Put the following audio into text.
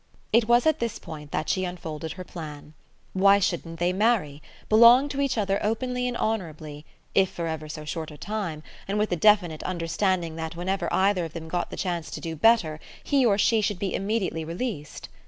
It was at this point that she unfolded her plan. Why shouldn't they marry; belong to each other openly and honourably, if for ever so short a time, and with the definite understanding that whenever either of them got the chance to do better he or she should be immediately released?